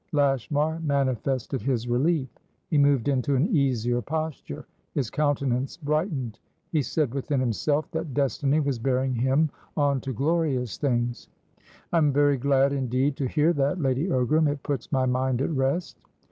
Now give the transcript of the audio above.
Lashmar manifested his relief. He moved into an easier posture; his countenance brightened; he said within himself that destiny was bearing him on to glorious things. "I'm very glad indeed to hear that, Lady Ogram! It puts my mind at rest."